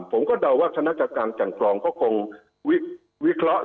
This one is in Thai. ผมก็เดาว่าคณะจำกรองก็คงวิเคราะห์